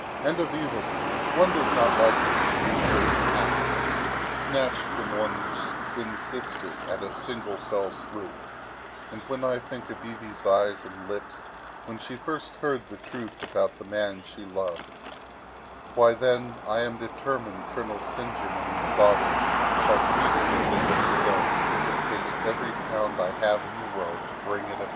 And of Evelyn. One does not like to see youth, hope, and happiness snatched from one's twin sister at a single fell swoop, and when I think of Evie's eyes and lips when she first heard the truth about the man she loved why, then I am determined Colonel St. John and his daughter shall reap what they have sown, if it takes every pound I have in the world to bring it about.